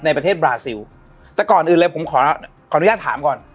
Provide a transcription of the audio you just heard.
ในประเทศบราซิลแต่ก่อนอื่นเลยผมขอขออนุญาตถามก่อน